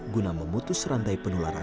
guna memutus rantai penularan